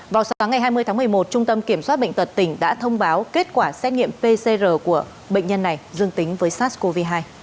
vào sáng ngày hai mươi tháng một mươi một trung tâm kiểm soát bệnh tật tỉnh đã thông báo kết quả xét nghiệm pcr của bệnh nhân này dương tính với sars cov hai